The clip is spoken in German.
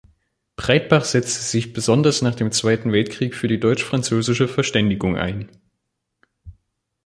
Breitbach setzte sich besonders nach dem Zweiten Weltkrieg für die deutsch-französische Verständigung ein.